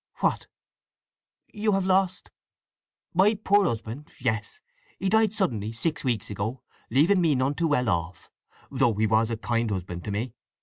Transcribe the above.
"What?—you have lost—" "My poor husband. Yes. He died suddenly, six weeks ago, leaving me none too well off, though he was a kind husband to me.